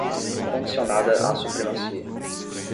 Condicionada à supremacia